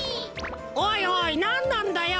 おいおいなんなんだよ！